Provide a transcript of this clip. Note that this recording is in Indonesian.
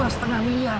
dua setengah miliar